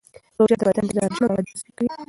روژه د بدن د زهرجنو موادو تصفیه کوي.